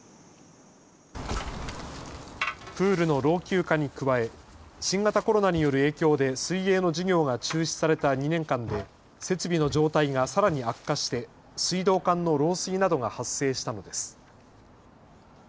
プールの老朽化に加え新型コロナによる影響で水泳の授業が中止された２年間で設備の状態がさらに悪化して水道管の漏水などが発生したのです。